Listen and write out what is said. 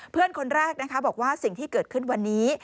เพื่อนคนแรกนะคะบอกว่าสิ่งที่เกิดขึ้นวันนี้